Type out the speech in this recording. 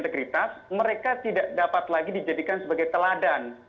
kalau tidak bisa menunjukkan nilai integritas mereka tidak dapat lagi dijadikan sebagai teladan